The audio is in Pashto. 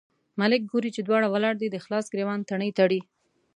ملک ګوري چې دواړه ولاړ دي، د خلاص ګرېوان تڼۍ تړي.